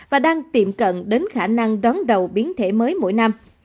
và đang tiệm cận đến khả năng đón đầu biến thể mới mỗi năm